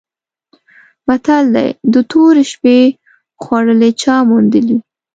متل دی: د تورې شپې خوړلي چا موندلي؟